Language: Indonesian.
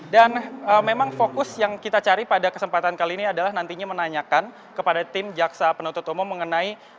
dan memang fokus yang kita cari pada kesempatan kali ini adalah nantinya menanyakan kepada tim jaksa penuntut umum mengenai